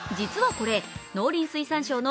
これ、農林水産省の「＃